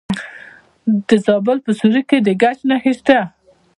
د زابل په سیوري کې د ګچ نښې شته.